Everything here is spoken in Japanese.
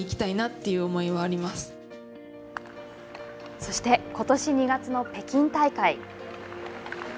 そして、ことし２月の北京大会。